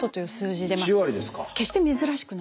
決して珍しくない。